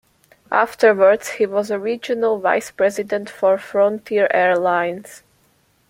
Afterwards, he was a regional vice president for Frontier Airlines.